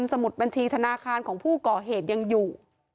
สมุดบัญชีธนาคารของผู้ก่อเหตุยังอยู่